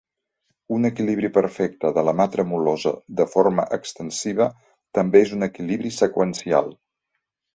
Un equilibri perfecte de la mà tremolosa de forma extensiva també és un equilibri seqüencial.